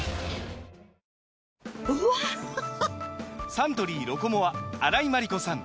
サントリー「ロコモア」荒井眞理子さん